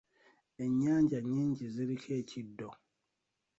Ennyanja nnyingi ziriko ekiddo.